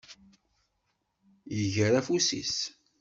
Yeggar afus-is.